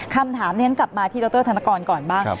คำถามที่ฉันกลับมาที่ดรธนกรก่อนบ้าง